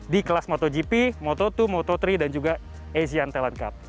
di kelas motogp moto dua moto tiga dan juga asian talent cup